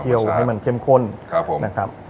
เคี่ยวให้มันเข้มข้นนะครับ